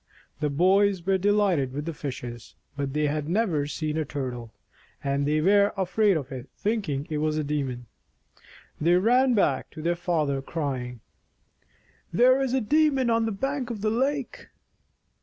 The boys were de lighted with the fishes, but they had never seen a Tur tle, and they were afraid of it, thinking it was a demon. They ran back to their father, crying, "There is a demon on the bank of the lake."